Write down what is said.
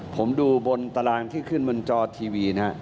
ผมดูบนตารางที่ขึ้นบนจอทีวีนะฮะ